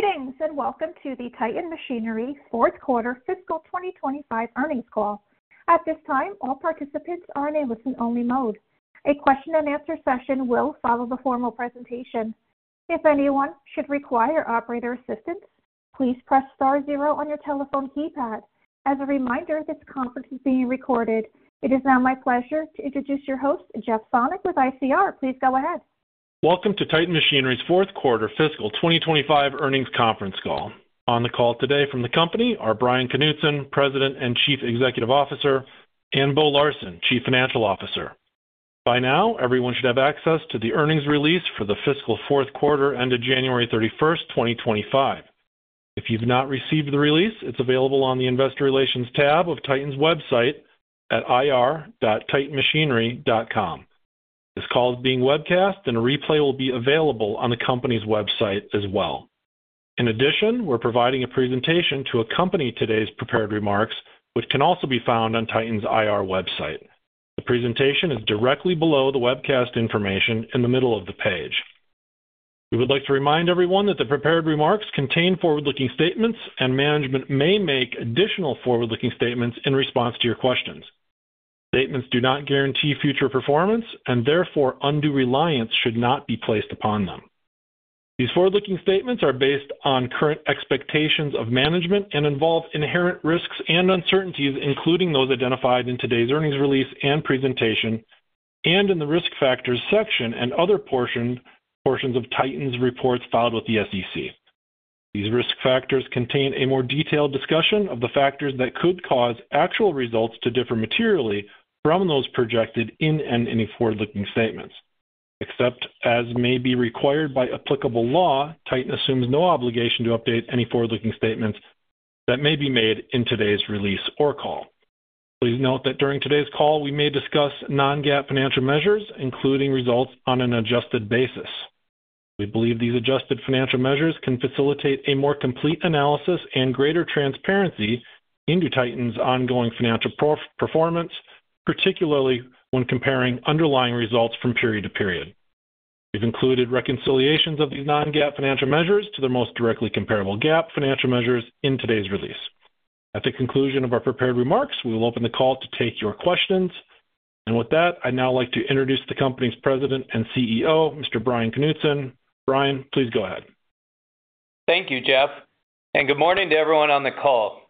Greetings and welcome to the Titan Machinery fourth quarter fiscal 2025 earnings call. At this time, all participants are in a listen-only mode. A question-and-answer session will follow the formal presentation. If anyone should require operator assistance, please press star zero on your telephone keypad. As a reminder, this conference is being recorded. It is now my pleasure to introduce your host, Jeff Sonnek with ICR. Please go ahead. Welcome to Titan Machinery's fourth quarter fiscal 2025 earnings conference call. On the call today from the company are Bryan Knutson, President and Chief Executive Officer, and Bo Larsen, Chief Financial Officer. By now, everyone should have access to the earnings release for the fiscal fourth quarter ended January 31st, 2025. If you've not received the release, it's available on the Investor Relations tab of Titan's website at ir.titanmachinery.com. This call is being webcast, and a replay will be available on the company's website as well. In addition, we're providing a presentation to accompany today's prepared remarks, which can also be found on Titan's IR website. The presentation is directly below the webcast information in the middle of the page. We would like to remind everyone that the prepared remarks contain forward-looking statements, and management may make additional forward-looking statements in response to your questions. Statements do not guarantee future performance, and therefore undue reliance should not be placed upon them. These forward-looking statements are based on current expectations of management and involve inherent risks and uncertainties, including those identified in today's earnings release and presentation, and in the risk factors section and other portions of Titan's reports filed with the SEC. These risk factors contain a more detailed discussion of the factors that could cause actual results to differ materially from those projected in any forward-looking statements. Except, as may be required by applicable law, Titan assumes no obligation to update any forward-looking statements that may be made in today's release or call. Please note that during today's call, we may discuss non-GAAP financial measures, including results on an adjusted basis. We believe these adjusted financial measures can facilitate a more complete analysis and greater transparency into Titan's ongoing financial performance, particularly when comparing underlying results from period to period. We have included reconciliations of these non-GAAP financial measures to their most directly comparable GAAP financial measures in today's release. At the conclusion of our prepared remarks, we will open the call to take your questions. I would now like to introduce the company's President and CEO, Mr. Bryan Knutson. Bryan, please go ahead. Thank you, Jeff. Good morning to everyone on the call.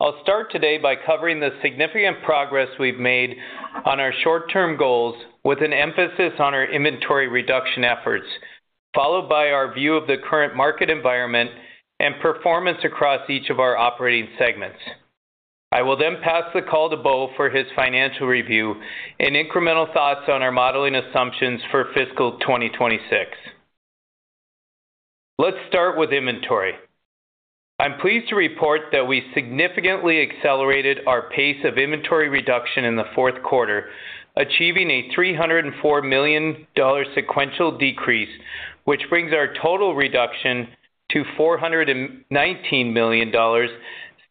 I'll start today by covering the significant progress we've made on our short-term goals with an emphasis on our inventory reduction efforts, followed by our view of the current market environment and performance across each of our operating segments. I will then pass the call to Bo for his financial review and incremental thoughts on our modeling assumptions for fiscal 2026. Let's start with inventory. I'm pleased to report that we significantly accelerated our pace of inventory reduction in the fourth quarter, achieving a $304 million sequential decrease, which brings our total reduction to $419 million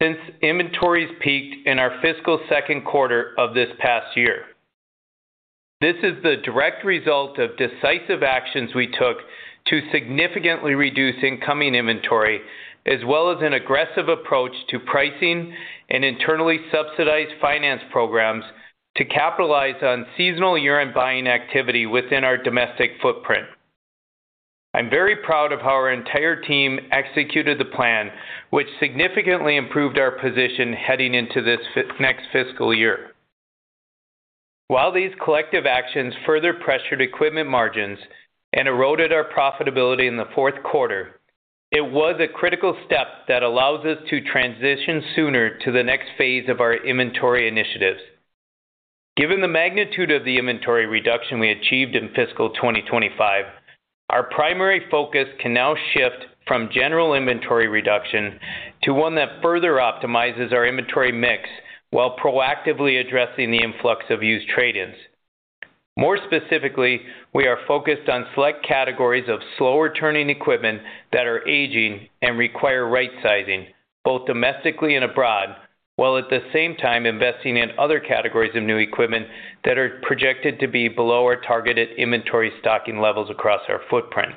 since inventories peaked in our fiscal second quarter of this past year. This is the direct result of decisive actions we took to significantly reduce incoming inventory, as well as an aggressive approach to pricing and internally subsidized finance programs to capitalize on seasonal year-end buying activity within our domestic footprint. I'm very proud of how our entire team executed the plan, which significantly improved our position heading into this next fiscal year. While these collective actions further pressured equipment margins and eroded our profitability in the fourth quarter, it was a critical step that allows us to transition sooner to the next phase of our inventory initiatives. Given the magnitude of the inventory reduction we achieved in fiscal 2025, our primary focus can now shift from general inventory reduction to one that further optimizes our inventory mix while proactively addressing the influx of used trade-ins. More specifically, we are focused on select categories of slow-returning equipment that are aging and require right-sizing, both domestically and abroad, while at the same time investing in other categories of new equipment that are projected to be below our targeted inventory stocking levels across our footprint.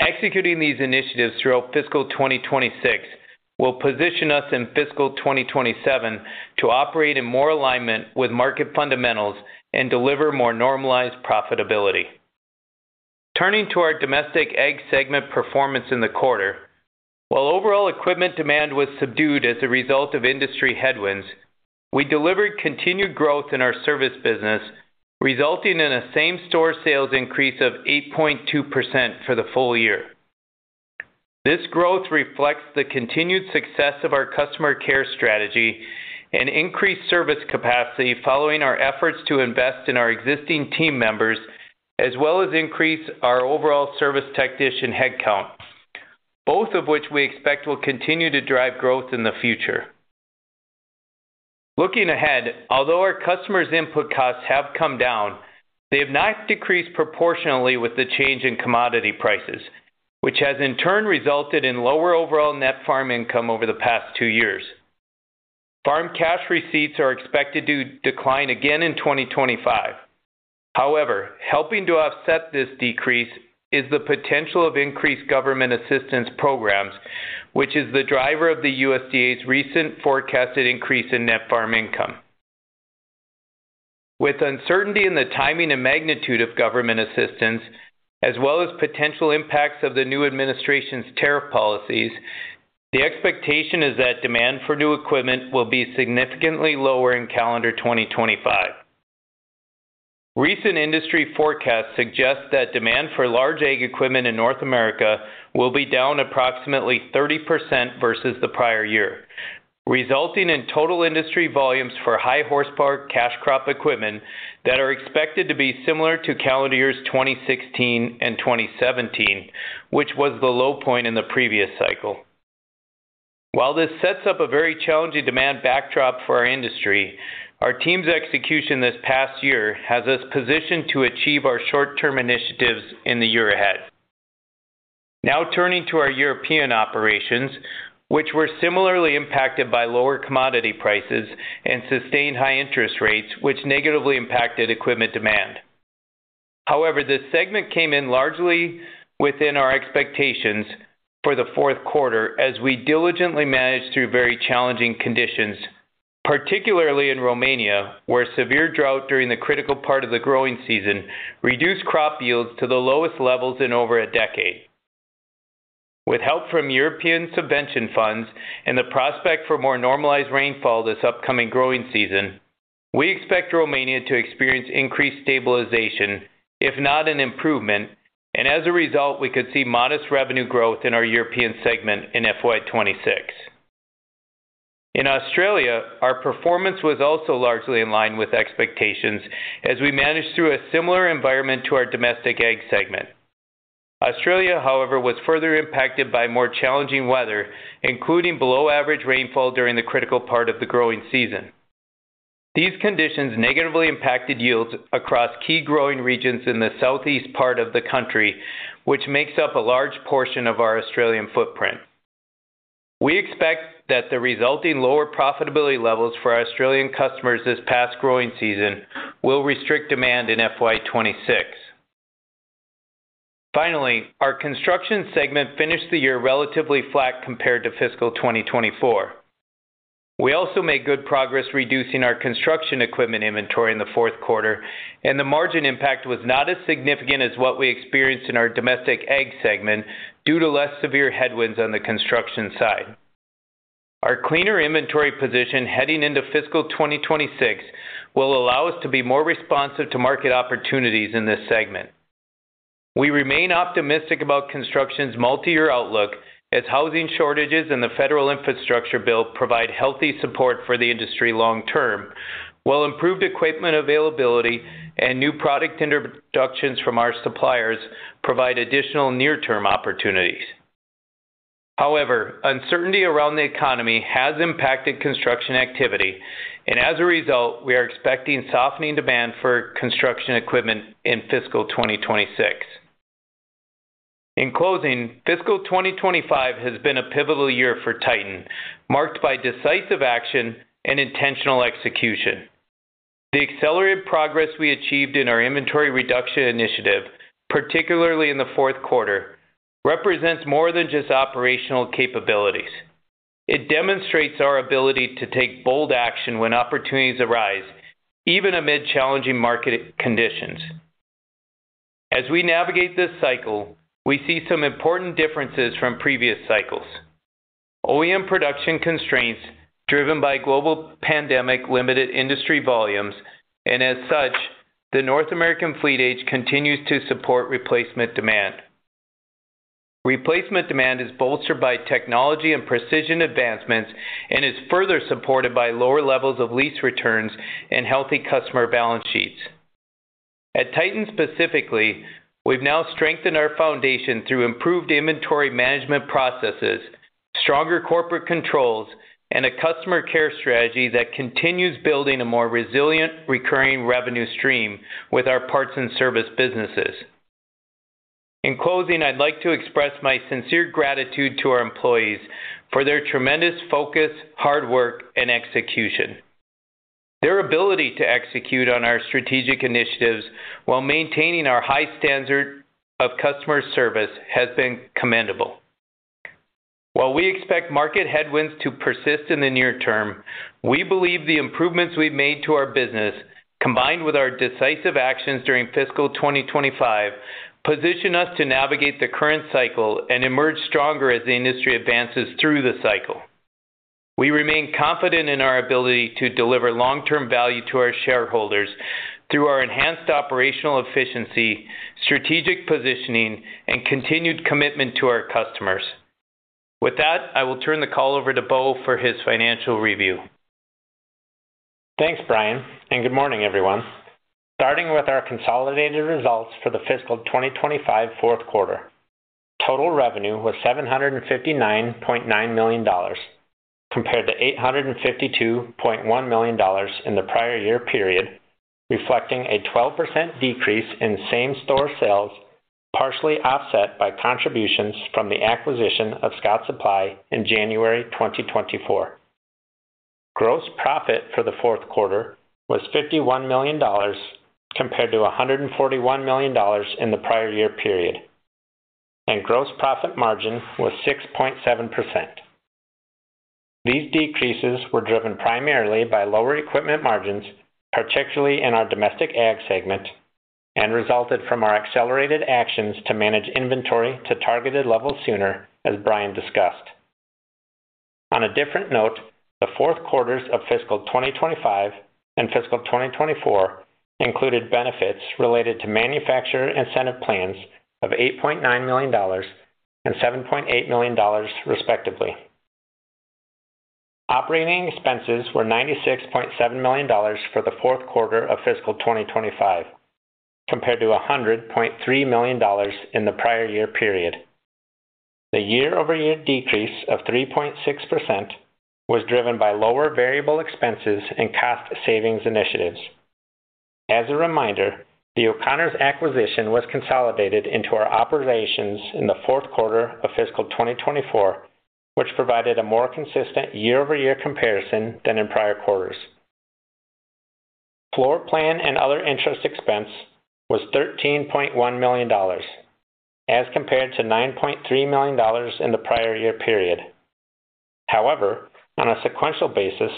Executing these initiatives throughout fiscal 2026 will position us in fiscal 2027 to operate in more alignment with market fundamentals and deliver more normalized profitability. Turning to our Domestic Ag segment performance in the quarter, while overall equipment demand was subdued as a result of industry headwinds, we delivered continued growth in our Service business, resulting in a same-store sales increase of 8.2% for the full year. This growth reflects the continued success of our customer care strategy and increased service capacity following our efforts to invest in our existing team members, as well as increase our overall service technician headcount, both of which we expect will continue to drive growth in the future. Looking ahead, although our customers' input costs have come down, they have not decreased proportionally with the change in commodity prices, which has in turn resulted in lower overall net farm income over the past two years. Farm cash receipts are expected to decline again in 2025. However, helping to offset this decrease is the potential of increased government assistance programs, which is the driver of the USDA's recent forecasted increase in net farm income. With uncertainty in the timing and magnitude of government assistance, as well as potential impacts of the new administration's tariff policies, the expectation is that demand for new equipment will be significantly lower in calendar 2025. Recent industry forecasts suggest that demand for large ag equipment in North America will be down approximately 30% versus the prior year, resulting in total industry volumes for high horsepower cash crop equipment that are expected to be similar to calendar years 2016 and 2017, which was the low point in the previous cycle. While this sets up a very challenging demand backdrop for our industry, our team's execution this past year has us positioned to achieve our short-term initiatives in the year ahead. Now turning to our European operations, which were similarly impacted by lower commodity prices and sustained high interest rates, which negatively impacted equipment demand. However, this segment came in largely within our expectations for the fourth quarter as we diligently managed through very challenging conditions, particularly in Romania, where severe drought during the critical part of the growing season reduced crop yields to the lowest levels in over a decade. With help from European subvention funds and the prospect for more normalized rainfall this upcoming growing season, we expect Romania to experience increased stabilization, if not an improvement, and as a result, we could see modest revenue growth in our European segment in FY 2026. In Australia, our performance was also largely in line with expectations as we managed through a similar environment to our Domestic Ag segment. Australia, however, was further impacted by more challenging weather, including below-average rainfall during the critical part of the growing season. These conditions negatively impacted yields across key growing regions in the southeast part of the country, which makes up a large portion of our Australian footprint. We expect that the resulting lower profitability levels for our Australian customers this past growing season will restrict demand in FY 2026. Finally, our Construction segment finished the year relatively flat compared to fiscal 2024. We also made good progress reducing our construction equipment inventory in the fourth quarter, and the margin impact was not as significant as what we experienced in our Domestic Ag segment due to less severe headwinds on the construction side. Our cleaner inventory position heading into fiscal 2026 will allow us to be more responsive to market opportunities in this segment. We remain optimistic about Construction's multi-year outlook as housing shortages and the federal infrastructure bill provide healthy support for the industry long term, while improved equipment availability and new product introductions from our suppliers provide additional near-term opportunities. However, uncertainty around the economy has impacted construction activity, and as a result, we are expecting softening demand for construction equipment in fiscal 2026. In closing, fiscal 2025 has been a pivotal year for Titan Machinery, marked by decisive action and intentional execution. The accelerated progress we achieved in our inventory reduction initiative, particularly in the fourth quarter, represents more than just operational capabilities. It demonstrates our ability to take bold action when opportunities arise, even amid challenging market conditions. As we navigate this cycle, we see some important differences from previous cycles. OEM production constraints, driven by global pandemic-limited industry volumes, and as such, the North American fleet age continues to support replacement demand. Replacement demand is bolstered by technology and precision advancements and is further supported by lower levels of lease returns and healthy customer balance sheets. At Titan specifically, we've now strengthened our foundation through improved inventory management processes, stronger corporate controls, and a customer care strategy that continues building a more resilient recurring revenue stream with our Parts and Service businesses. In closing, I'd like to express my sincere gratitude to our employees for their tremendous focus, hard work, and execution. Their ability to execute on our strategic initiatives while maintaining our high standard of customer service has been commendable. While we expect market headwinds to persist in the near term, we believe the improvements we've made to our business, combined with our decisive actions during fiscal 2025, position us to navigate the current cycle and emerge stronger as the industry advances through the cycle. We remain confident in our ability to deliver long-term value to our shareholders through our enhanced operational efficiency, strategic positioning, and continued commitment to our customers. With that, I will turn the call over to Bo for his financial review. Thanks, Bryan, and good morning, everyone. Starting with our consolidated results for the fiscal 2025 fourth quarter, total revenue was $759.9 million compared to $852.1 million in the prior year period, reflecting a 12% decrease in same-store sales, partially offset by contributions from the acquisition of Scott Supply in January 2024. Gross profit for the fourth quarter was $51 million compared to $141 million in the prior year period, and gross profit margin was 6.7%. These decreases were driven primarily by lower equipment margins, particularly in our Domestic Ag segment, and resulted from our accelerated actions to manage inventory to targeted levels sooner, as Bryan discussed. On a different note, the fourth quarters of fiscal 2025 and fiscal 2024 included benefits related to manufacturer incentive plans of $8.9 million and $7.8 million, respectively. Operating expenses were $96.7 million for the fourth quarter of fiscal 2025, compared to $100.3 million in the prior year period. The year-over-year decrease of 3.6% was driven by lower variable expenses and cost savings initiatives. As a reminder, the O'Connors acquisition was consolidated into our operations in the fourth quarter of fiscal 2024, which provided a more consistent year-over-year comparison than in prior quarters. Floorplan and other interest expense was $13.1 million, as compared to $9.3 million in the prior year period. However, on a sequential basis,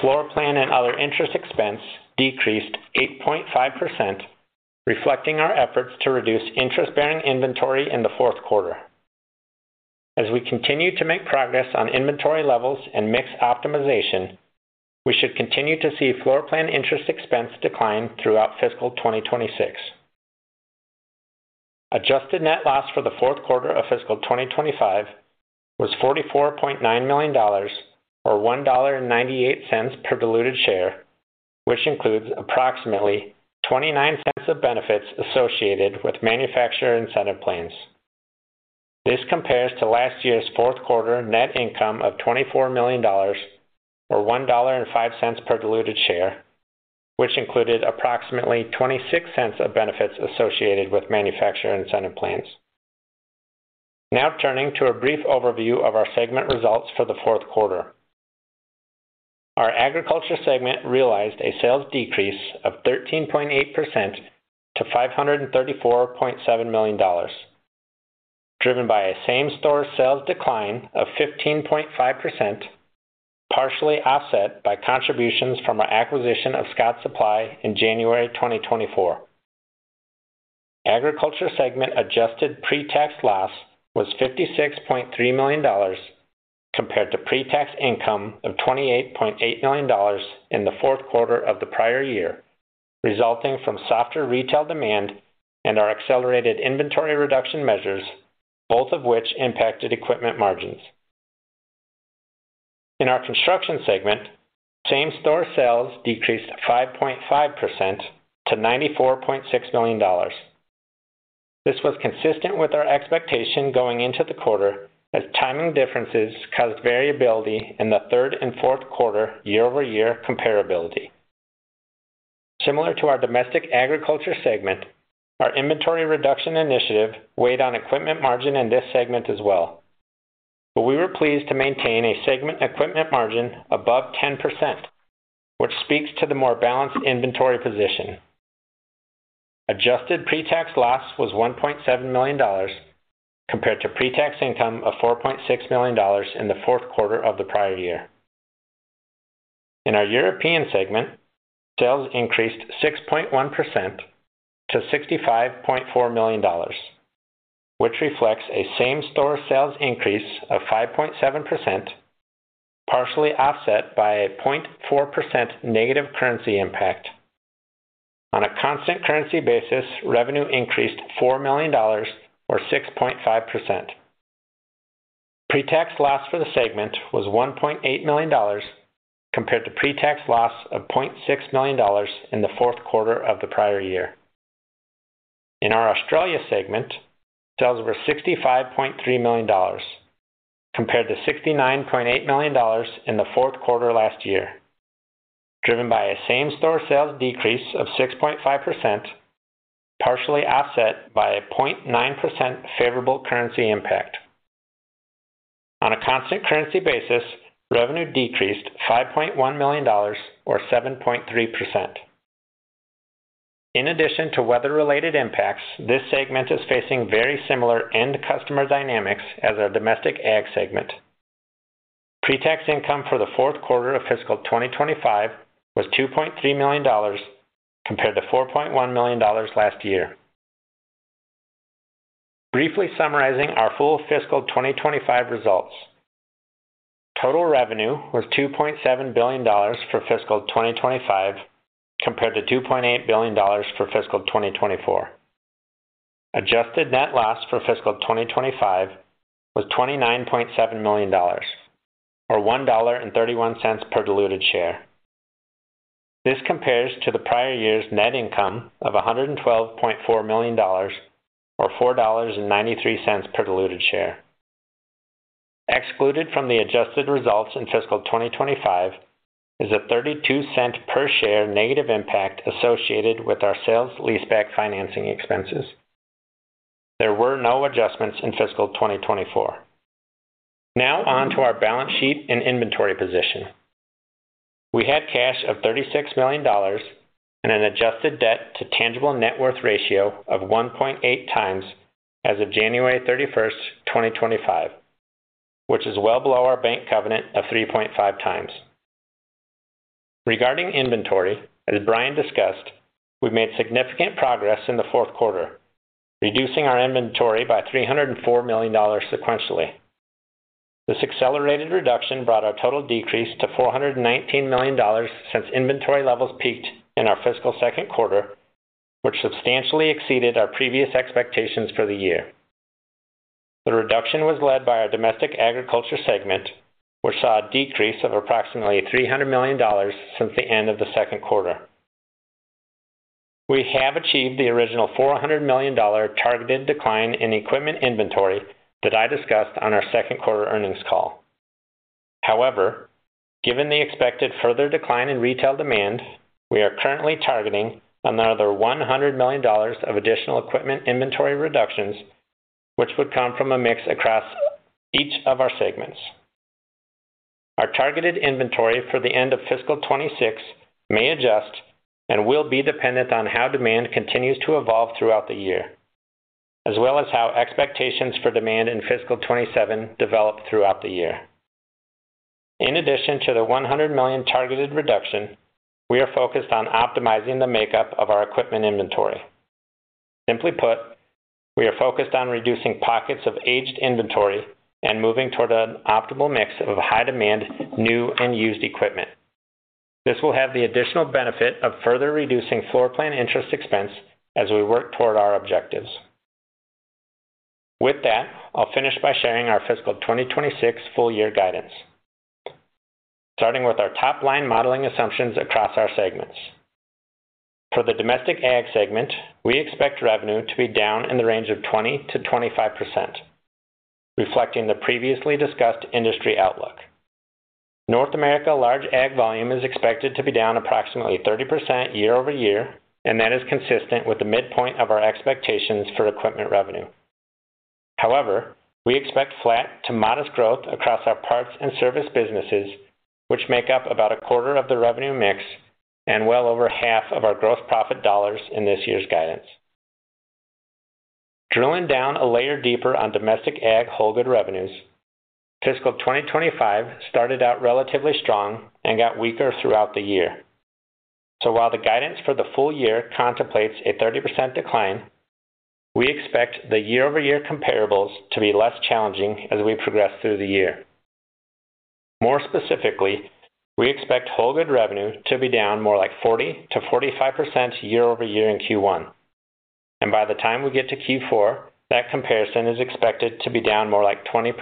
floorplan and other interest expense decreased 8.5%, reflecting our efforts to reduce interest-bearing inventory in the fourth quarter. As we continue to make progress on inventory levels and mix optimization, we should continue to see floorplan interest expense decline throughout fiscal 2026. Adjusted net loss for the fourth quarter of fiscal 2025 was $44.9 million, or $1.98 per diluted share, which includes approximately $0.29 of benefits associated with manufacturer incentive plans. This compares to last year's fourth quarter net income of $24 million, or $1.05 per diluted share, which included approximately $0.26 of benefits associated with manufacturer incentive plans. Now turning to a brief overview of our segment results for the fourth quarter. Our Agriculture segment realized a sales decrease of 13.8% to $534.7 million, driven by a same-store sales decline of 15.5%, partially offset by contributions from our acquisition of Scott Supply in January 2024. Agriculture segment adjusted pre-tax loss was $56.3 million, compared to pre-tax income of $28.8 million in the fourth quarter of the prior year, resulting from softer retail demand and our accelerated inventory reduction measures, both of which impacted equipment margins. In our Construction segment, same-store sales decreased 5.5% to $94.6 million. This was consistent with our expectation going into the quarter, as timing differences caused variability in the third and fourth quarter year-over-year comparability. Similar to our Domestic Agriculture segment, our inventory reduction initiative weighed on equipment margin in this segment as well, but we were pleased to maintain a segment equipment margin above 10%, which speaks to the more balanced inventory position. Adjusted pre-tax loss was $1.7 million, compared to pre-tax income of $4.6 million in the fourth quarter of the prior year. In our European segment, sales increased 6.1% to $65.4 million, which reflects a same-store sales increase of 5.7%, partially offset by a 0.4% negative currency impact. On a constant currency basis, revenue increased $4 million, or 6.5%. Pre-tax loss for the segment was $1.8 million, compared to pre-tax loss of $0.6 million in the fourth quarter of the prior year. In our Australia segment, sales were $65.3 million, compared to $69.8 million in the fourth quarter last year, driven by a same-store sales decrease of 6.5%, partially offset by a 0.9% favorable currency impact. On a constant currency basis, revenue decreased $5.1 million, or 7.3%. In addition to weather-related impacts, this segment is facing very similar end customer dynamics as our Domestic Ag segment. Pre-tax income for the fourth quarter of fiscal 2025 was $2.3 million, compared to $4.1 million last year. Briefly summarizing our full fiscal 2025 results: total revenue was $2.7 billion for fiscal 2025, compared to $2.8 billion for fiscal 2024. Adjusted net loss for fiscal 2025 was $29.7 million, or $1.31 per diluted share. This compares to the prior year's net income of $112.4 million, or $4.93 per diluted share. Excluded from the adjusted results in fiscal 2025 is a $0.32 per share negative impact associated with our sale-leaseback financing expenses. There were no adjustments in fiscal 2024. Now on to our balance sheet and inventory position. We had cash of $36 million and an adjusted debt-to-tangible net worth ratio of 1.8x as of January 31st, 2025, which is well below our bank covenant of 3.5x. Regarding inventory, as Bryan discussed, we made significant progress in the fourth quarter, reducing our inventory by $304 million sequentially. This accelerated reduction brought our total decrease to $419 million since inventory levels peaked in our fiscal second quarter, which substantially exceeded our previous expectations for the year. The reduction was led by our Domestic Agriculture segment, which saw a decrease of approximately $300 million since the end of the second quarter. We have achieved the original $400 million targeted decline in equipment inventory that I discussed on our second quarter earnings call. However, given the expected further decline in retail demand, we are currently targeting another $100 million of additional equipment inventory reductions, which would come from a mix across each of our segments. Our targeted inventory for the end of fiscal 2026 may adjust and will be dependent on how demand continues to evolve throughout the year, as well as how expectations for demand in fiscal 2027 develop throughout the year. In addition to the $100 million targeted reduction, we are focused on optimizing the makeup of our equipment inventory. Simply put, we are focused on reducing pockets of aged inventory and moving toward an optimal mix of high-demand new and used equipment. This will have the additional benefit of further reducing floorplan interest expense as we work toward our objectives. With that, I'll finish by sharing our fiscal 2026 full-year guidance, starting with our top-line modeling assumptions across our segments. For the Domestic Ag segment, we expect revenue to be down in the range of 20%-25%, reflecting the previously discussed industry outlook. North America large Ag volume is expected to be down approximately 30% year-over-year, and that is consistent with the midpoint of our expectations for equipment revenue. However, we expect flat to modest growth across our Parts and Service businesses, which make up about a quarter of the revenue mix and well over half of our gross profit dollars in this year's guidance. Drilling down a layer deeper on Domestic Ag whole good revenues, fiscal 2025 started out relatively strong and got weaker throughout the year. While the guidance for the full year contemplates a 30% decline, we expect the year-over-year comparables to be less challenging as we progress through the year. More specifically, we expect whole good revenue to be down more like 40%-45% year-over-year in Q1, and by the time we get to Q4, that comparison is expected to be down more like 20%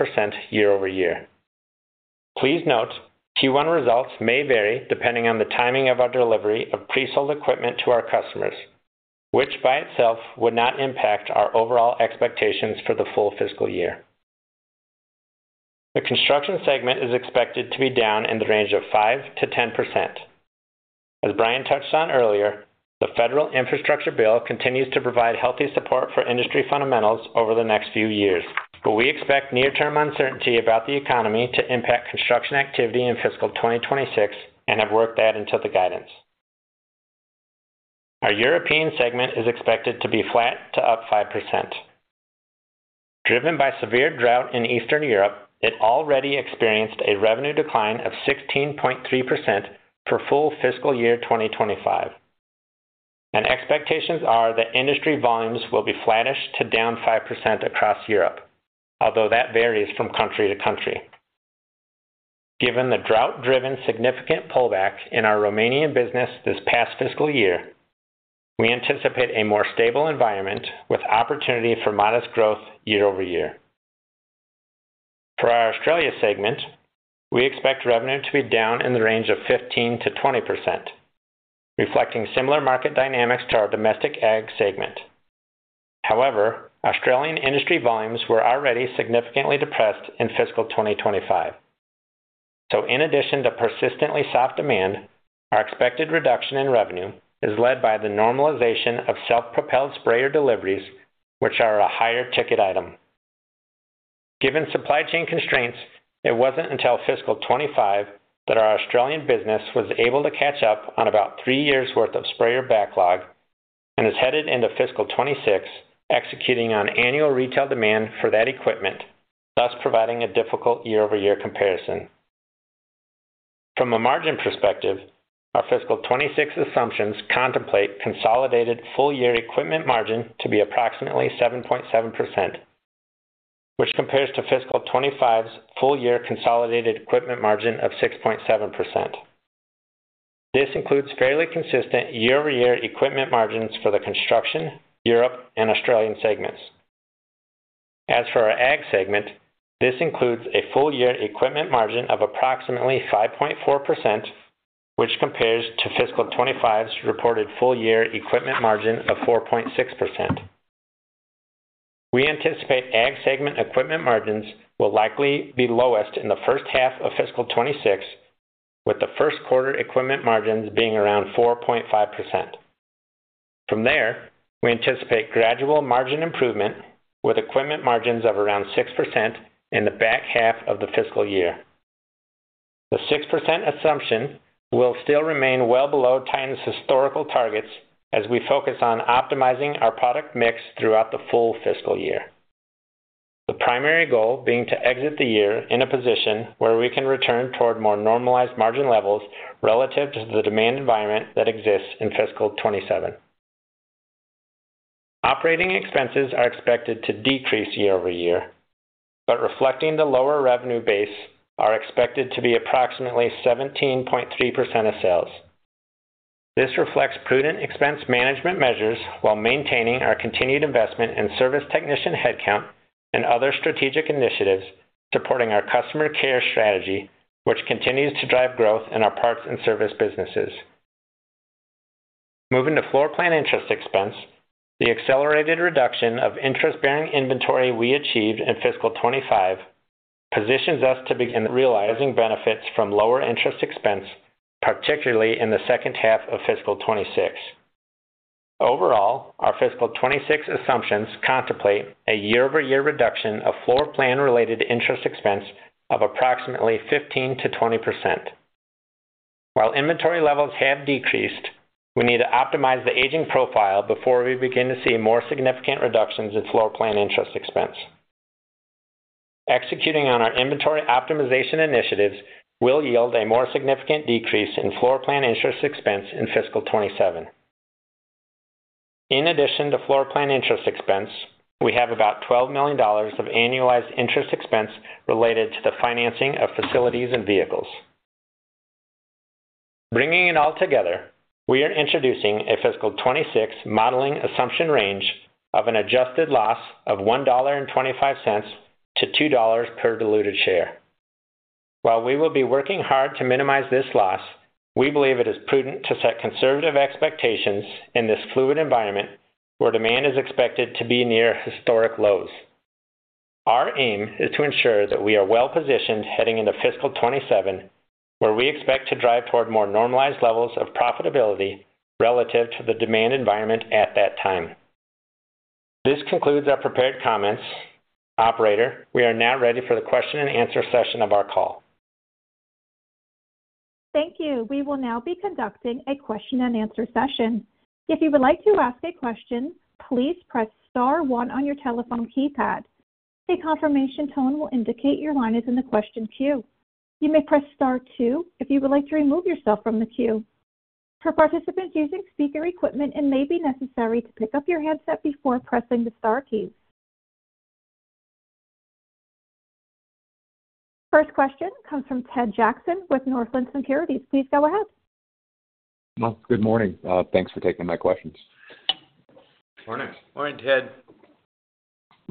year-over-year. Please note, Q1 results may vary depending on the timing of our delivery of pre-sold equipment to our customers, which by itself would not impact our overall expectations for the full fiscal year. The Construction segment is expected to be down in the range of 5%-10%. As Bryan touched on earlier, the federal infrastructure bill continues to provide healthy support for industry fundamentals over the next few years, but we expect near-term uncertainty about the economy to impact construction activity in fiscal 2026 and have worked that into the guidance. Our European segment is expected to be flat to up 5%. Driven by severe drought in Eastern Europe, it already experienced a revenue decline of 16.3% for full fiscal year 2025, and expectations are that industry volumes will be flattish to down 5% across Europe, although that varies from country to country. Given the drought-driven significant pullback in our Romanian business this past fiscal year, we anticipate a more stable environment with opportunity for modest growth year-over-year. For our Australia segment, we expect revenue to be down in the range of 15%-20%, reflecting similar market dynamics to our Domestic Ag segment. However, Australian industry volumes were already significantly depressed in fiscal 2025. In addition to persistently soft demand, our expected reduction in revenue is led by the normalization of self-propelled sprayer deliveries, which are a higher ticket item. Given supply chain constraints, it was not until fiscal 2025 that our Australian business was able to catch up on about three years' worth of sprayer backlog and is headed into fiscal 2026, executing on annual retail demand for that equipment, thus providing a difficult year-over-year comparison. From a margin perspective, our fiscal 2026 assumptions contemplate consolidated full-year equipment margin to be approximately 7.7%, which compares to fiscal 2025's full-year consolidated equipment margin of 6.7%. This includes fairly consistent year-over-year equipment margins for the Construction, Europe, and Australian segments. As for our Ag segment, this includes a full-year equipment margin of approximately 5.4%, which compares to fiscal 2025's reported full-year equipment margin of 4.6%. We anticipate Ag segment equipment margins will likely be lowest in the first half of fiscal 2026, with the first quarter equipment margins being around 4.5%. From there, we anticipate gradual margin improvement with equipment margins of around 6% in the back half of the fiscal year. The 6% assumption will still remain well below Titan's historical targets as we focus on optimizing our product mix throughout the full fiscal year, the primary goal being to exit the year in a position where we can return toward more normalized margin levels relative to the demand environment that exists in fiscal 2027. Operating expenses are expected to decrease year-over-year, but reflecting the lower revenue base, are expected to be approximately 17.3% of sales. This reflects prudent expense management measures while maintaining our continued investment in service technician headcount and other strategic initiatives supporting our customer care strategy, which continues to drive growth in our Parts and Service businesses. Moving to floorplan interest expense, the accelerated reduction of interest-bearing inventory we achieved in fiscal 2025 positions us to begin realizing benefits from lower interest expense, particularly in the second half of fiscal 2026. Overall, our fiscal 2026 assumptions contemplate a year-over-year reduction of floorplan-related interest expense of approximately 15%-20%. While inventory levels have decreased, we need to optimize the aging profile before we begin to see more significant reductions in floorplan interest expense. Executing on our inventory optimization initiatives will yield a more significant decrease in floorplan interest expense in fiscal 2027. In addition to floorplan interest expense, we have about $12 million of annualized interest expense related to the financing of facilities and vehicles. Bringing it all together, we are introducing a fiscal 2026 modeling assumption range of an adjusted loss of $1.25-$2 per diluted share. While we will be working hard to minimize this loss, we believe it is prudent to set conservative expectations in this fluid environment where demand is expected to be near historic lows. Our aim is to ensure that we are well positioned heading into fiscal 2027, where we expect to drive toward more normalized levels of profitability relative to the demand environment at that time. This concludes our prepared comments. Operator, we are now ready for the question-and-answer session of our call. Thank you. We will now be conducting a question-and-answer session. If you would like to ask a question, please press star one on your telephone keypad. A confirmation tone will indicate your line is in the question queue. You may press star two if you would like to remove yourself from the queue. For participants using speaker equipment, it may be necessary to pick up your headset before pressing the star keys. First question comes from Ted Jackson with Northland Securities. Please go ahead. Good morning. Thanks for taking my questions. Morning. Morning, Ted.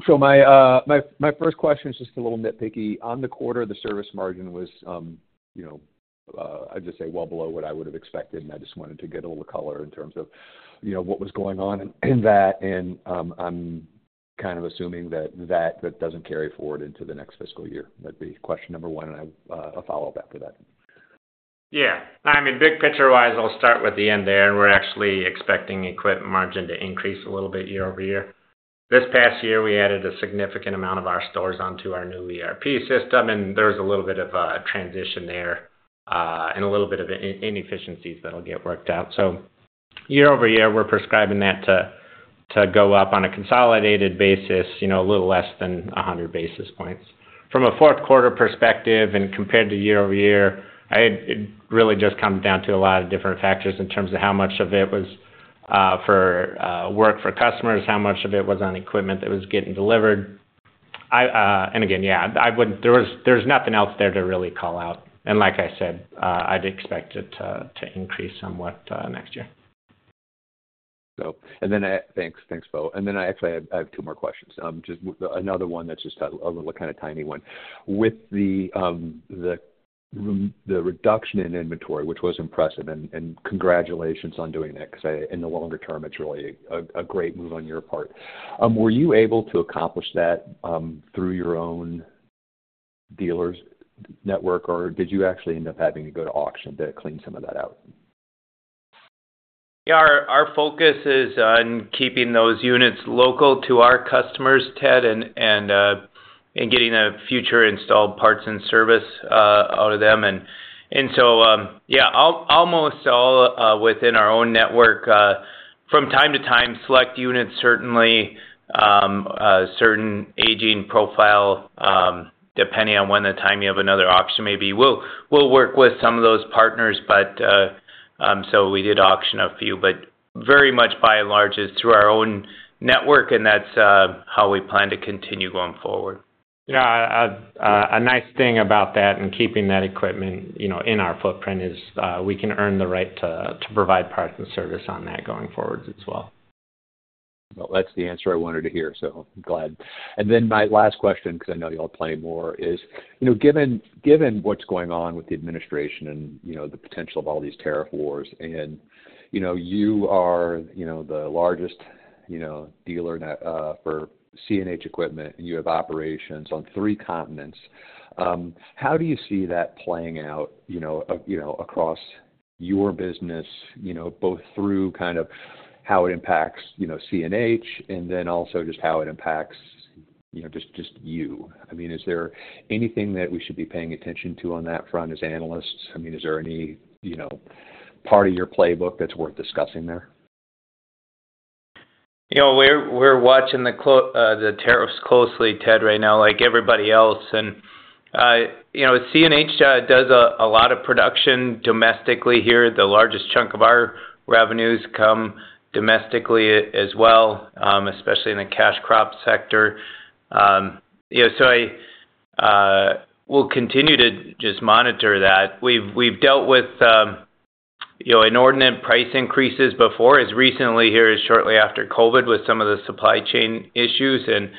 My first question is just a little nitpicky. On the quarter, the Service margin was, I'd just say, well below what I would have expected, and I just wanted to get a little color in terms of what was going on in that. I'm kind of assuming that that doesn't carry forward into the next fiscal year. That'd be question number one, and I have a follow-up after that. Yeah. I mean, big picture-wise, I'll start with the end there, and we're actually expecting equipment margin to increase a little bit year-over-year. This past year, we added a significant amount of our stores onto our new ERP system, and there was a little bit of transition there and a little bit of inefficiencies that'll get worked out. Year-over-year, we're prescribing that to go up on a consolidated basis, a little less than 100 basis points. From a fourth-quarter perspective and compared to year-over-year, it really just comes down to a lot of different factors in terms of how much of it was for work for customers, how much of it was on equipment that was getting delivered. Again, yeah, there's nothing else there to really call out. Like I said, I'd expect it to increase somewhat next year. Thanks, Bo. I actually have two more questions. Just another one that's a little kind of tiny one. With the reduction in inventory, which was impressive, and congratulations on doing that because in the longer term, it's really a great move on your part. Were you able to accomplish that through your own dealer's network, or did you actually end up having to go to auction to clean some of that out? Yeah. Our focus is on keeping those units local to our customers, Ted, and getting a future installed Parts and Service out of them. Almost all within our own network, from time to time, select units, certainly certain aging profile, depending on when the time you have another auction maybe. We'll work with some of those partners, but we did auction a few, but very much by and large it is through our own network, and that's how we plan to continue going forward. Yeah. A nice thing about that and keeping that equipment in our footprint is we can earn the right to provide Parts and Service on that going forward as well. That's the answer I wanted to hear, so I'm glad. My last question, because I know you'll play more, is given what's going on with the administration and the potential of all these tariff wars, and you are the largest dealer for CNH equipment, and you have operations on three continents, how do you see that playing out across your business, both through kind of how it impacts CNH and then also just how it impacts just you? I mean, is there anything that we should be paying attention to on that front as analysts? I mean, is there any part of your playbook that's worth discussing there? We're watching the tariffs closely, Ted, right now, like everybody else. And CNH does a lot of production domestically here. The largest chunk of our revenues come domestically as well, especially in the cash crop sector. We will continue to just monitor that. We've dealt with inordinate price increases before, as recently here as shortly after COVID with some of the supply chain issues and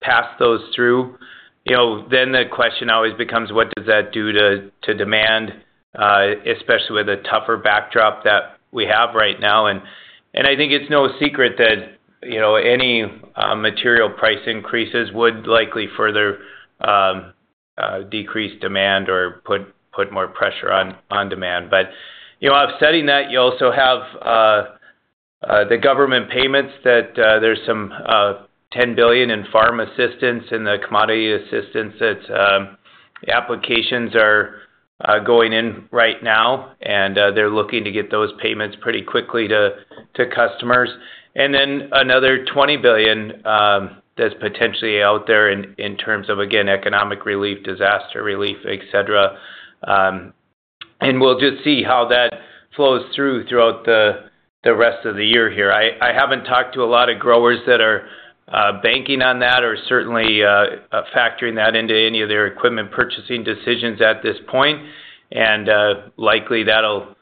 passed those through. The question always becomes, what does that do to demand, especially with a tougher backdrop that we have right now? I think it's no secret that any material price increases would likely further decrease demand or put more pressure on demand. Offsetting that, you also have the government payments that there's some $10 billion in farm assistance and the commodity assistance that applications are going in right now, and they're looking to get those payments pretty quickly to customers. Another $20 billion that's potentially out there in terms of, again, economic relief, disaster relief, etc. We'll just see how that flows through throughout the rest of the year here. I haven't talked to a lot of growers that are banking on that or certainly factoring that into any of their equipment purchasing decisions at this point. Likely, that'll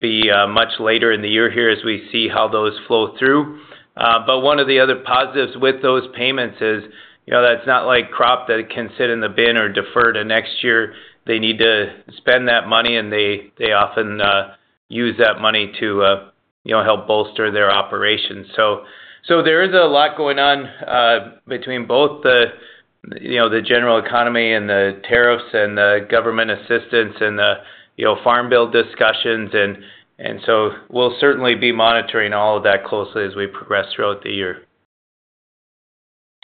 be much later in the year here as we see how those flow through. One of the other positives with those payments is that's not like crop that can sit in the bin or defer to next year. They need to spend that money, and they often use that money to help bolster their operations. There is a lot going on between both the general economy and the tariffs and the government assistance and the farm bill discussions. We will certainly be monitoring all of that closely as we progress throughout the year.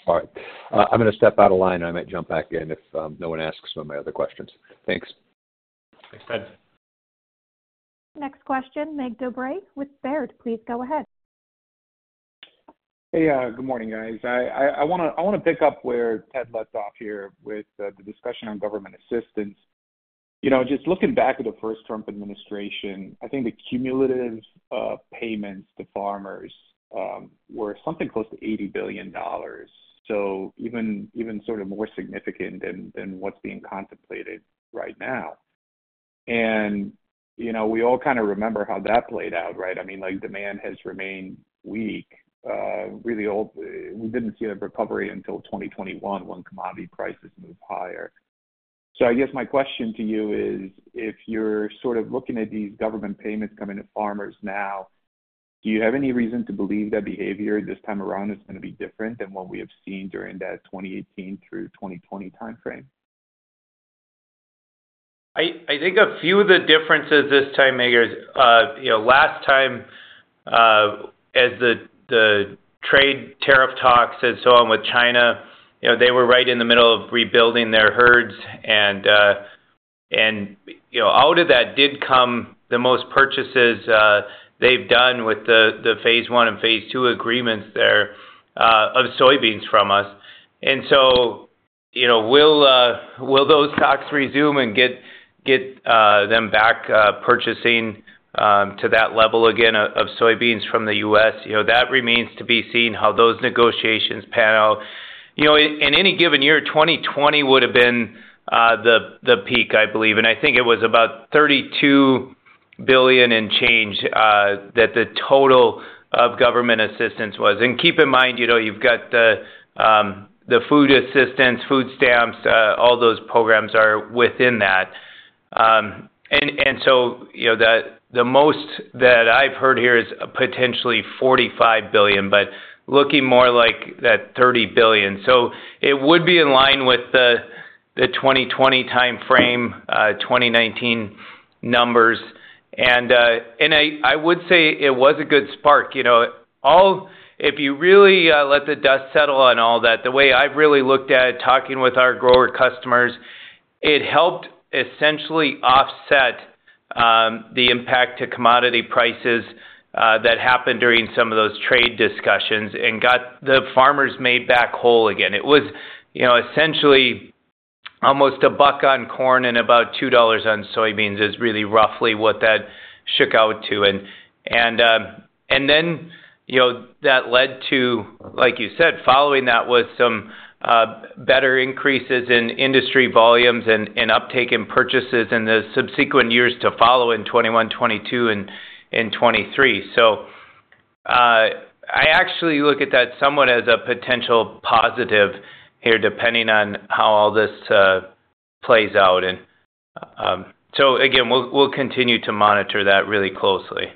All right. I'm going to step out of line, and I might jump back in if no one asks one of my other questions. Thanks. Thanks, Ted. Next question, Mig Dobre with Baird. Please go ahead. Hey, good morning, guys. I want to pick up where Ted left off here with the discussion on government assistance. Just looking back at the first Trump administration, I think the cumulative payments to farmers were something close to $80 billion, so even sort of more significant than what's being contemplated right now. We all kind of remember how that played out, right? I mean, demand has remained weak. We did not see a recovery until 2021 when commodity prices moved higher. I guess my question to you is, if you are sort of looking at these government payments coming to farmers now, do you have any reason to believe that behavior this time around is going to be different than what we have seen during that 2018 through 2020 timeframe? I think a few of the differences this time, Mig, are last time, as the trade tariff talks had with China, they were right in the middle of rebuilding their herds. Out of that did come the most purchases they have done with the Phase One and Phase Two Agreements there of soybeans from us. Will those talks resume and get them back purchasing to that level again of soybeans from the U.S.? That remains to be seen how those negotiations pan out. In any given year, 2020 would have been the peak, I believe. I think it was about $32 billion and change that the total of government assistance was. Keep in mind, you've got the food assistance, food stamps, all those programs are within that. The most that I've heard here is potentially $45 billion, but looking more like that $30 billion. It would be in line with the 2020 timeframe, 2019 numbers. I would say it was a good spark. If you really let the dust settle on all that, the way I've really looked at talking with our grower customers, it helped essentially offset the impact to commodity prices that happened during some of those trade discussions and got the farmers made back whole again. It was essentially almost a buck on corn and about $2 on soybeans is really roughly what that shook out to. That led to, like you said, following that with some better increases in industry volumes and uptake in purchases in the subsequent years to follow in 2021, 2022, and 2023. I actually look at that somewhat as a potential positive here depending on how all this plays out. Again, we'll continue to monitor that really closely.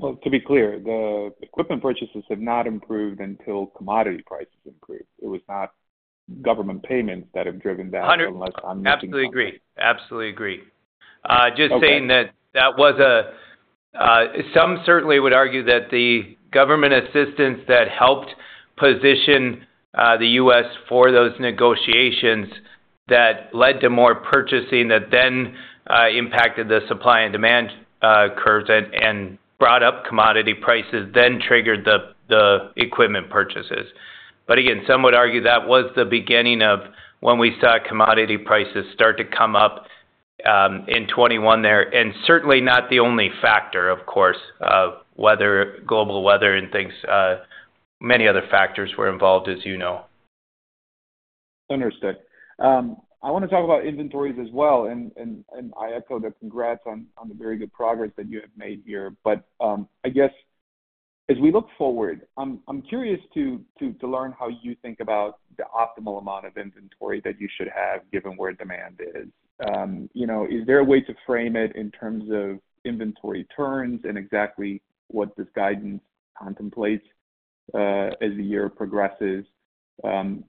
To be clear, the equipment purchases have not improved until commodity prices improved. It was not government payments that have driven that unless I'm not being wrong. Absolutely agree. Absolutely agree. Just saying that that was a, some certainly would argue that the government assistance that helped position the U.S. for those negotiations that led to more purchasing that then impacted the supply and demand curves and brought up commodity prices, then triggered the equipment purchases. Again, some would argue that was the beginning of when we saw commodity prices start to come up in 2021 there. Certainly not the only factor, of course, of global weather and things. Many other factors were involved, as you know. Understood. I want to talk about inventories as well. I echo the congrats on the very good progress that you have made here. I guess as we look forward, I'm curious to learn how you think about the optimal amount of inventory that you should have given where demand is. Is there a way to frame it in terms of inventory turns and exactly what this guidance contemplates as the year progresses?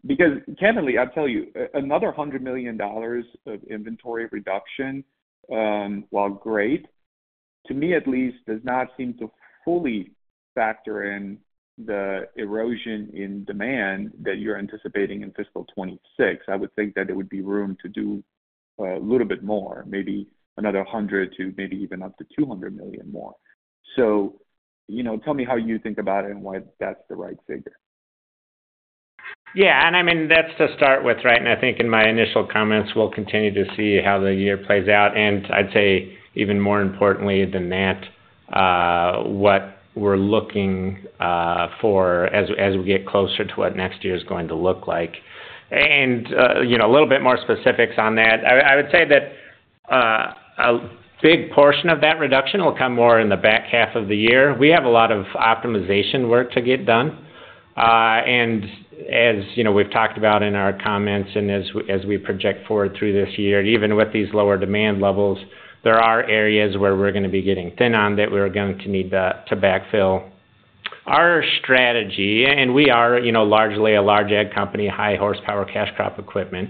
Because candidly, I'll tell you, another $100 million of inventory reduction, while great, to me at least, does not seem to fully factor in the erosion in demand that you're anticipating in fiscal 2026. I would think that there would be room to do a little bit more, maybe another $100 million to maybe even up to $200 million more. Tell me how you think about it and why that's the right figure. Yeah. I mean, that's to start with, right? I think in my initial comments, we'll continue to see how the year plays out. I would say even more importantly than that, what we are looking for as we get closer to what next year is going to look like, and a little bit more specifics on that. I would say that a big portion of that reduction will come more in the back half of the year. We have a lot of optimization work to get done. As we have talked about in our comments and as we project forward through this year, even with these lower demand levels, there are areas where we are going to be getting thin on that we are going to need to backfill our strategy. We are largely a large ag company, high horsepower, cash crop equipment,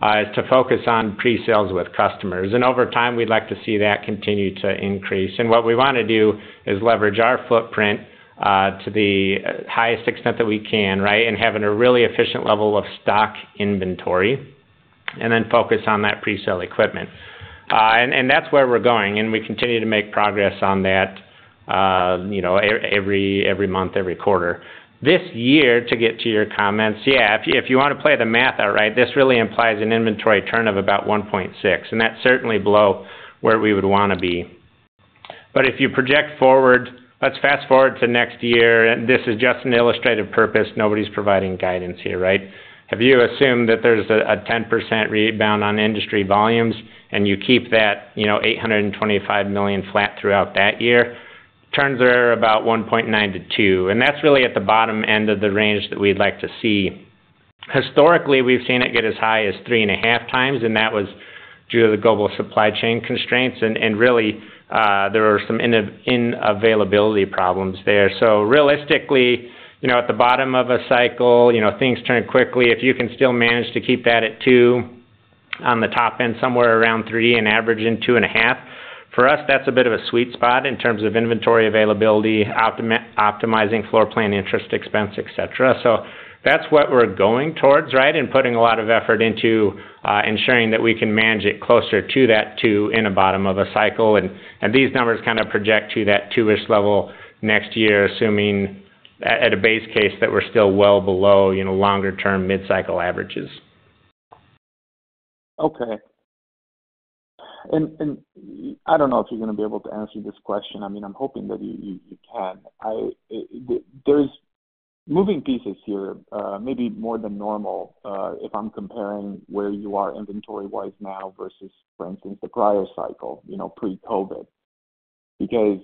and the focus is on pre-sales with customers. Over time, we would like to see that continue to increase. What we want to do is leverage our footprint to the highest extent that we can, right, and having a really efficient level of stock inventory, and then focus on that pre-sale equipment. That is where we are going. We continue to make progress on that every month, every quarter. This year, to get to your comments, yeah, if you want to play the math out, right, this really implies an inventory turn of about 1.6. That is certainly below where we would want to be. If you project forward, let's fast forward to next year. This is just an illustrative purpose. Nobody is providing guidance here, right? If you assume that there is a 10% rebound on industry volumes and you keep that $825 million flat throughout that year, turns are about 1.9-2. That's really at the bottom end of the range that we'd like to see. Historically, we've seen it get as high as 3.5x, and that was due to the global supply chain constraints. There were some inavailability problems there. Realistically, at the bottom of a cycle, things turn quickly. If you can still manage to keep that at 2 on the top end, somewhere around 3 and average in 2.5, for us, that's a bit of a sweet spot in terms of inventory availability, optimizing floorplan interest expense, etc. That's what we're going towards, right, and putting a lot of effort into ensuring that we can manage it closer to that 2 in the bottom of a cycle. These numbers kind of project to that 2-ish level next year, assuming at a base case that we're still well below longer-term mid-cycle averages. Okay. I don't know if you're going to be able to answer this question. I mean, I'm hoping that you can. There's moving pieces here, maybe more than normal, if I'm comparing where you are inventory-wise now versus, for instance, the prior cycle, pre-COVID. Because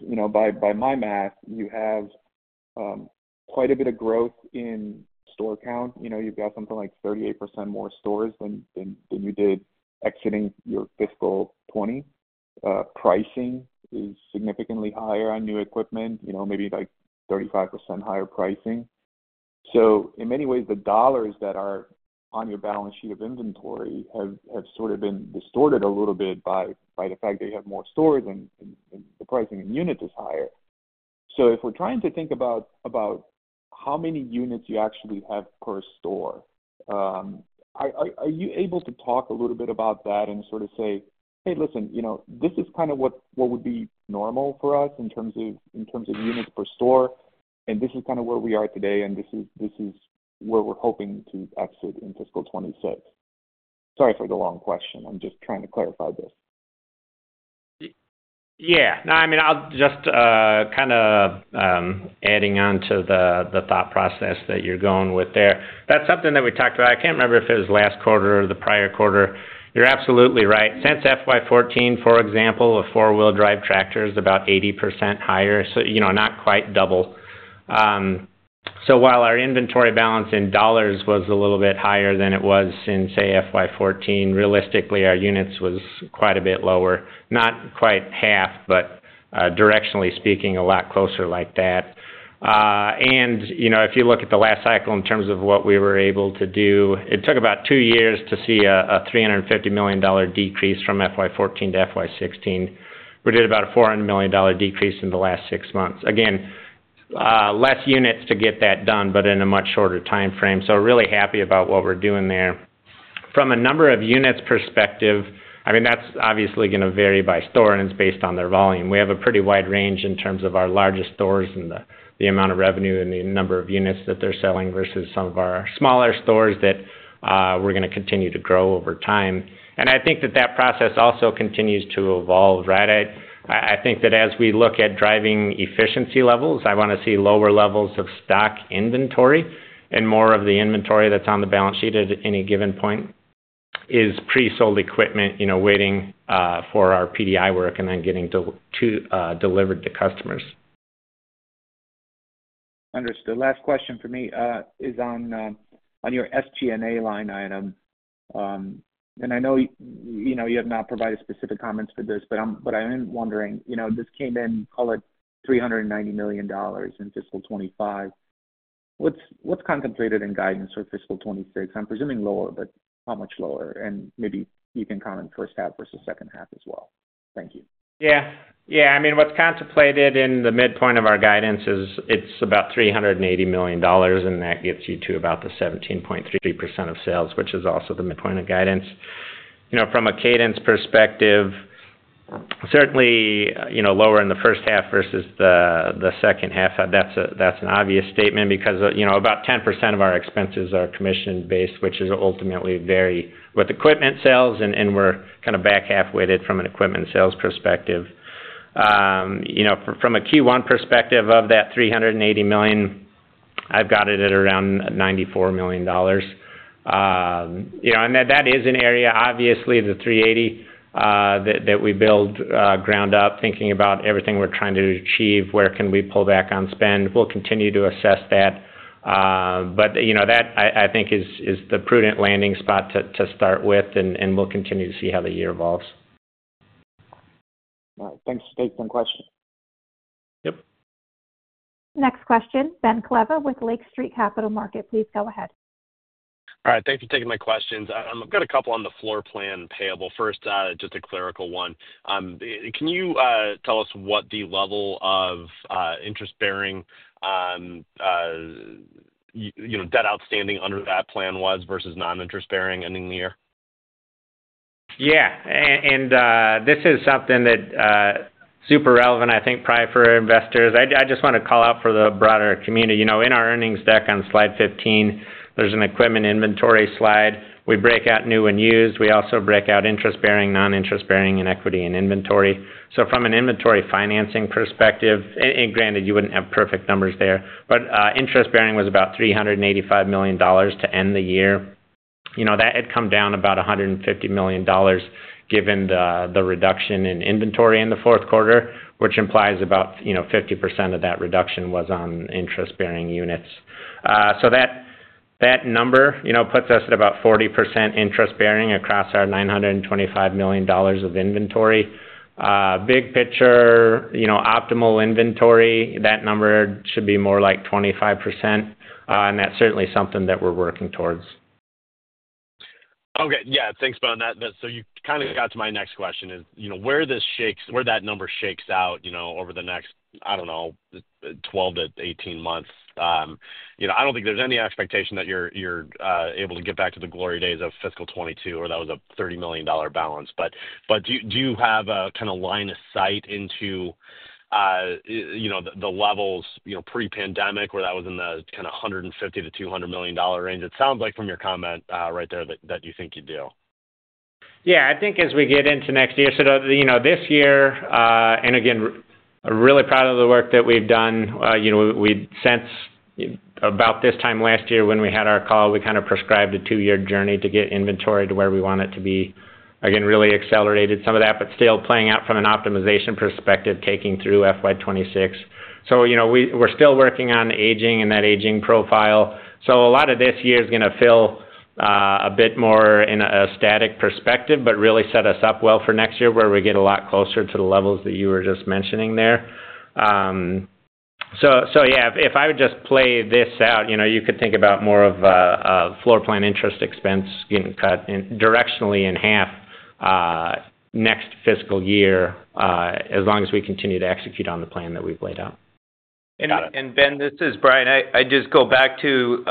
by my math, you have quite a bit of growth in store count. You've got something like 38% more stores than you did exiting your fiscal 2020. Pricing is significantly higher on new equipment, maybe like 35% higher pricing. In many ways, the dollars that are on your balance sheet of inventory have sort of been distorted a little bit by the fact that you have more stores and the pricing and unit is higher. If we're trying to think about how many units you actually have per store, are you able to talk a little bit about that and sort of say, "Hey, listen, this is kind of what would be normal for us in terms of units per store. This is kind of where we are today, and this is where we're hoping to exit in fiscal 2026"? Sorry for the long question. I'm just trying to clarify this. Yeah. No, I mean, I'll just kind of add on to the thought process that you're going with there. That's something that we talked about. I can't remember if it was last quarter or the prior quarter. You're absolutely right. Since fiscal year 2014, for example, of four-wheel drive tractors, about 80% higher, so not quite double. While our inventory balance in dollars was a little bit higher than it was since, say, FY 2014, realistically, our units was quite a bit lower, not quite half, but directionally speaking, a lot closer like that. If you look at the last cycle in terms of what we were able to do, it took about two years to see a $350 million decrease from FY 2014 to FY 2016. We did about a $400 million decrease in the last six months. Again, less units to get that done, but in a much shorter timeframe. Really happy about what we're doing there. From a number of units perspective, I mean, that's obviously going to vary by store, and it's based on their volume. We have a pretty wide range in terms of our largest stores and the amount of revenue and the number of units that they're selling versus some of our smaller stores that we're going to continue to grow over time. I think that that process also continues to evolve, right? I think that as we look at driving efficiency levels, I want to see lower levels of stock inventory and more of the inventory that's on the balance sheet at any given point is pre-sold equipment waiting for our PDI work and then getting delivered to customers. Understood. Last question for me is on your SG&A line item. I know you have not provided specific comments for this, but I am wondering, this came in, call it $390 million in fiscal 2025. What's contemplated in guidance for fiscal 2026? I'm presuming lower, but how much lower? Maybe you can comment first half versus second half as well. Thank you. Yeah. I mean, what's contemplated in the midpoint of our guidance is it's about $380 million, and that gets you to about 17.3% of sales, which is also the midpoint of guidance. From a cadence perspective, certainly lower in the first half versus the second half, that's an obvious statement because about 10% of our expenses are commission-based, which ultimately vary with equipment sales, and we're kind of back half-weighted from an equipment sales perspective. From a Q1 perspective of that $380 million, I've got it at around $94 million. That is an area, obviously, the $380 million that we build ground up, thinking about everything we're trying to achieve, where can we pull back on spend. We'll continue to assess that. That, I think, is the prudent landing spot to start with, and we'll continue to see how the year evolves. All right. Thanks for taking the question. Yep. Next question, Ben Klieve with Lake Street Capital Markets. Please go ahead. All right. Thanks for taking my questions. I've got a couple on the floorplan payable. First, just a clerical one. Can you tell us what the level of interest-bearing debt outstanding under that plan was versus non-interest-bearing ending the year? Yeah. This is something that's super relevant, I think, probably for investors. I just want to call out for the broader community. In our earnings deck on slide 15, there's an equipment inventory slide. We break out new and used. We also break out interest-bearing, non-interest-bearing, and equity and inventory. From an inventory financing perspective, and granted, you wouldn't have perfect numbers there, but interest-bearing was about $385 million to end the year. That had come down about $150 million given the reduction in inventory in the fourth quarter, which implies about 50% of that reduction was on interest-bearing units. That number puts us at about 40% interest-bearing across our $925 million of inventory. Big picture, optimal inventory, that number should be more like 25%. That is certainly something that we're working towards. Okay. Yeah. Thanks, Ben. You kind of got to my next question, which is where that number shakes out over the next, I don't know, 12 to 18 months. I don't think there's any expectation that you're able to get back to the glory days of fiscal 2022, where that was a $30 million balance. Do you have a kind of line of sight into the levels pre-pandemic where that was in the $150 million-$200 million range? It sounds like from your comment right there that you think you do. Yeah. I think as we get into next year, so this year, and again, really proud of the work that we've done. Since about this time last year when we had our call, we kind of prescribed a two-year journey to get inventory to where we want it to be. Again, really accelerated some of that, but still playing out from an optimization perspective, taking through FY 2026. We are still working on aging and that aging profile. A lot of this year is going to feel a bit more in a static perspective, but really set us up well for next year where we get a lot closer to the levels that you were just mentioning there. Yeah, if I would just play this out, you could think about more of a floorplan interest expense getting cut directionally in half next fiscal year as long as we continue to execute on the plan that we've laid out. Ben, this is Bryan. I just go back to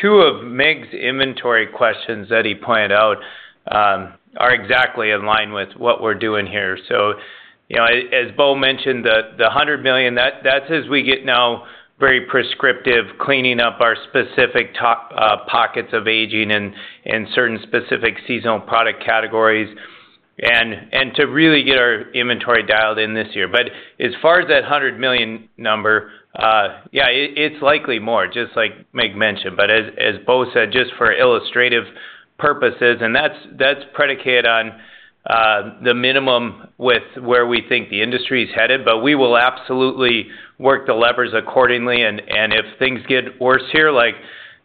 two of Mig's inventory questions that he pointed out are exactly in line with what we're doing here. As Bo mentioned, the $100 million, that's as we get now very prescriptive cleaning up our specific pockets of aging and certain specific seasonal product categories and to really get our inventory dialed in this year. As far as that $100 million number, yeah, it's likely more, just like Mig mentioned. As Bo said, just for illustrative purposes, and that's predicated on the minimum with where we think the industry is headed, we will absolutely work the levers accordingly. If things get worse here, like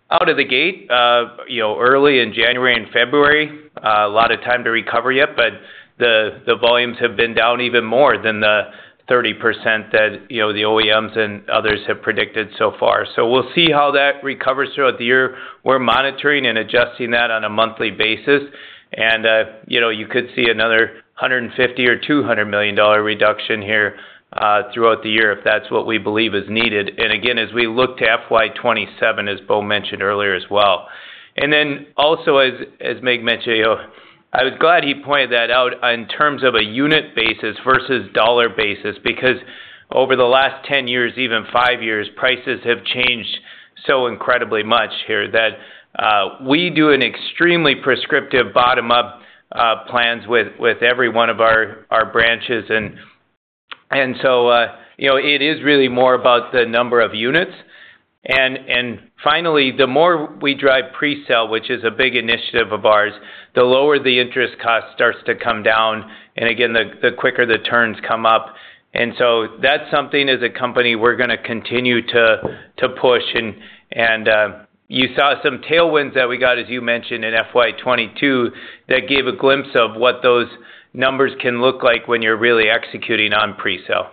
out of the gate early in January and February, a lot of time to recover yet, but the volumes have been down even more than the 30% that the OEMs and others have predicted so far. We will see how that recovers throughout the year. We're monitoring and adjusting that on a monthly basis. You could see another $150 million or $200 million reduction here throughout the year if that's what we believe is needed. Again, as we look to FY 2027, as Bo mentioned earlier as well. As Mig mentioned, I was glad he pointed that out in terms of a unit basis versus dollar basis because over the last 10 years, even 5 years, prices have changed so incredibly much here that we do extremely prescriptive bottom-up plans with every one of our branches. It is really more about the number of units. Finally, the more we drive pre-sale, which is a big initiative of ours, the lower the interest cost starts to come down. Again, the quicker the turns come up. That is something as a company we are going to continue to push. You saw some tailwinds that we got, as you mentioned, in FY 2022 that gave a glimpse of what those numbers can look like when you are really executing on pre-sale.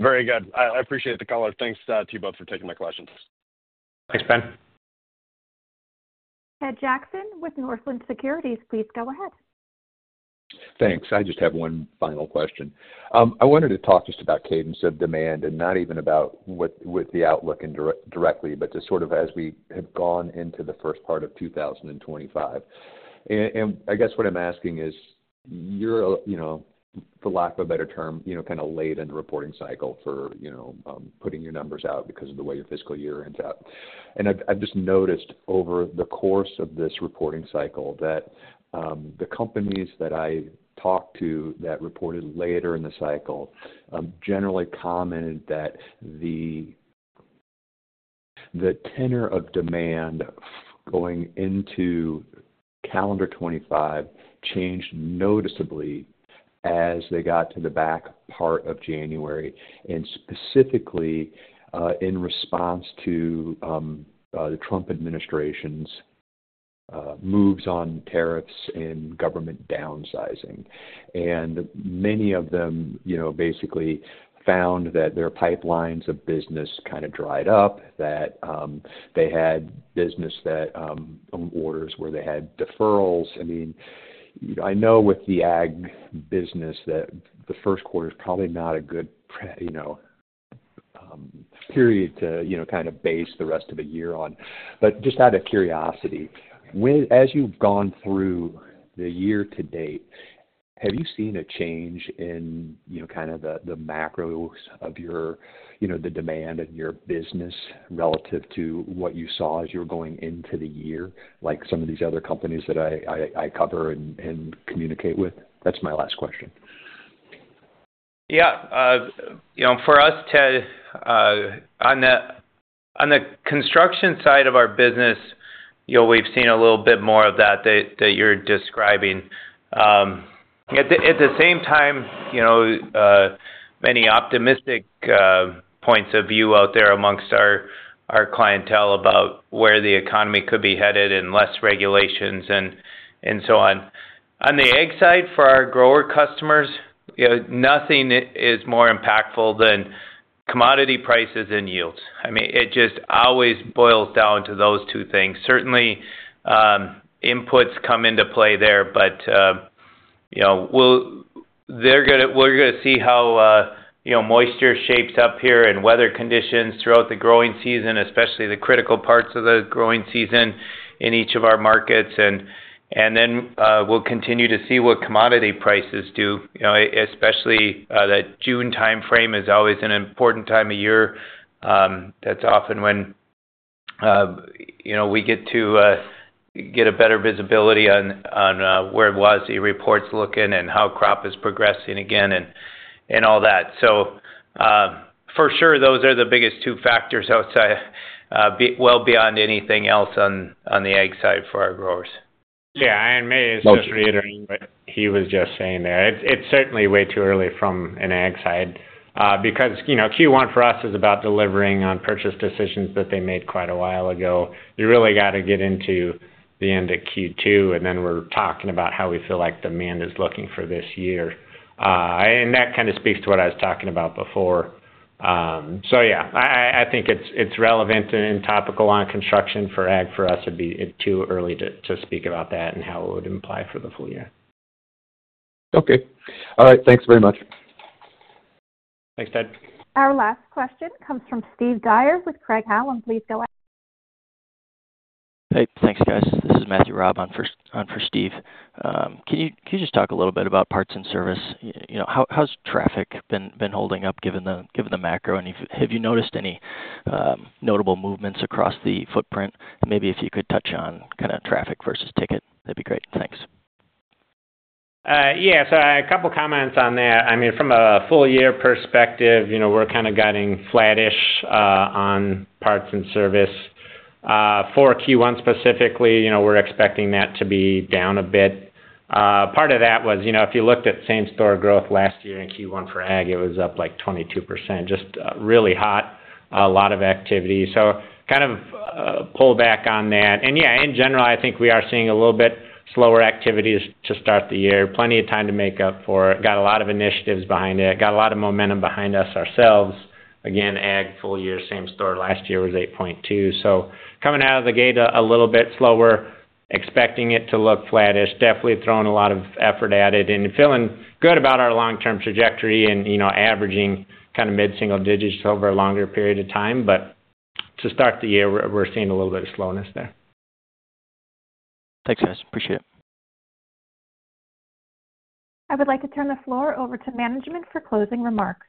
Very good. I appreciate the color. Thanks to you both for taking my questions. Thanks, Ben. Ted Jackson with Northland Securities, please go ahead. Thanks. I just have one final question. I wanted to talk just about cadence of demand and not even about with the outlook directly, but just sort of as we have gone into the first part of 2025. I guess what I'm asking is you're, for lack of a better term, kind of late in the reporting cycle for putting your numbers out because of the way your fiscal year ends up. I've just noticed over the course of this reporting cycle that the companies that I talked to that reported later in the cycle generally commented that the tenor of demand going into calendar 2025 changed noticeably as they got to the back part of January and specifically in response to the Trump administration's moves on tariffs and government downsizing. Many of them basically found that their pipelines of business kind of dried up, that they had business orders where they had deferrals. I mean, I know with the Ag business that the first quarter is probably not a good period to kind of base the rest of the year on. Just out of curiosity, as you've gone through the year to date, have you seen a change in kind of the macros of the demand in your business relative to what you saw as you were going into the year, like some of these other companies that I cover and communicate with? That's my last question. Yeah. For us, Ted, on the construction side of our business, we've seen a little bit more of that that you're describing. At the same time, many optimistic points of view out there amongst our clientele about where the economy could be headed and less regulations and so on. On the ag side for our grower customers, nothing is more impactful than commodity prices and yields. I mean, it just always boils down to those two things. Certainly, inputs come into play there, but we're going to see how moisture shapes up here and weather conditions throughout the growing season, especially the critical parts of the growing season in each of our markets. We will continue to see what commodity prices do, especially that June timeframe is always an important time of year. That is often when we get to get a better visibility on where WASDE reports look in and how crop is progressing again and all that. For sure, those are the biggest two factors well beyond anything else on the ag side for our growers. Yeah. I am maybe associated with what he was just saying there. It's certainly way too early from an ag side because Q1 for us is about delivering on purchase decisions that they made quite a while ago. You really got to get into the end of Q2, and then we're talking about how we feel like demand is looking for this year. That kind of speaks to what I was talking about before. Yeah, I think it's relevant and topical on Construction for Ag for us. It'd be too early to speak about that and how it would imply for the full year. Okay. All right. Thanks very much. Thanks, Ted. Our last question comes from Steve Dyer with Craig-Hallum. Please go ahead. Hey. Thanks, guys. This is Matt Raab for Steve. Can you just talk a little bit about Parts and Service? How's traffic been holding up given the macro? Have you noticed any notable movements across the footprint? Maybe if you could touch on kind of traffic versus ticket, that'd be great. Thanks. Yeah. A couple of comments on that. I mean, from a full-year perspective, we're kind of guiding flattish on Parts and Service. For Q1 specifically, we're expecting that to be down a bit. Part of that was if you looked at same-store growth last year in Q1 for ag, it was up like 22%. Just really hot, a lot of activity. Kind of pull back on that. Yeah, in general, I think we are seeing a little bit slower activity to start the year. Plenty of time to make up for it. Got a lot of initiatives behind it. Got a lot of momentum behind us ourselves. Again, ag full year, same store. Last year was 8.2%. Coming out of the gate a little bit slower, expecting it to look flattish. Definitely throwing a lot of effort at it and feeling good about our long-term trajectory and averaging kind of mid-single digits over a longer period of time. To start the year, we're seeing a little bit of slowness there. Thanks, guys. Appreciate it. I would like to turn the floor over to management for closing remarks.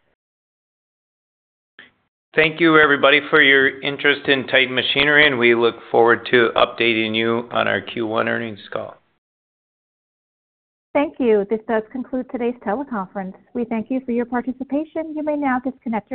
Thank you, everybody, for your interest in Titan Machinery, and we look forward to updating you on our Q1 earnings call. Thank you. This does conclude today's teleconference. We thank you for your participation. You may now disconnect.